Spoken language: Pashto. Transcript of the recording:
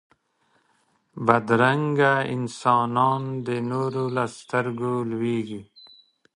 بدرنګه انسانونه د نورو له سترګو لوېږي